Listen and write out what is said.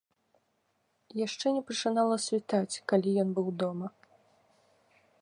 Яшчэ не пачынала світаць, калі ён быў дома.